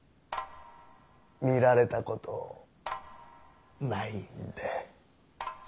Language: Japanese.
見られたことないんで。